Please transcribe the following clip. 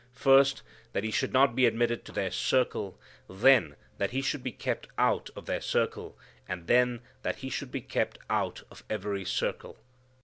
First, that He should not be admitted to their circle, then that He should be kept out of their circle, and then that He should be kept out of every circle.